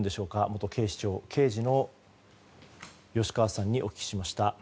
元警視庁刑事の吉川さんにお聞きしました。